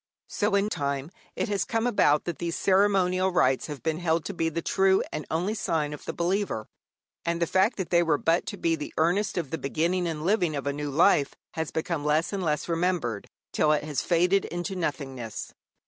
So in time it has come about that these ceremonial rites have been held to be the true and only sign of the believer, and the fact that they were but to be the earnest of the beginning and living of a new life has become less and less remembered, till it has faded into nothingness.